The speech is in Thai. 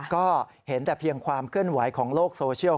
ก็เห็นแต่เพียงความเคลื่อนไหวของโลกโซเชียล